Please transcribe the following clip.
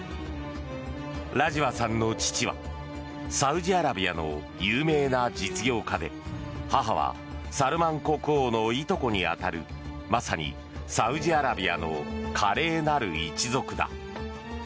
ラジワさんの父はサウジアラビアの有名な実業家で母は、サルマン国王のいとこに当たるまさにサウジアラビアの華麗なる一族だ。